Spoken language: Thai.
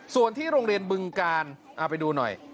ส่วนที่โรงเรียนบึงกาลเอาไปดูหน่อย